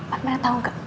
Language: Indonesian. mbak mir tau gak